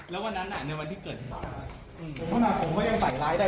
แล้ววันนั้นอ่ะในวันที่เกิด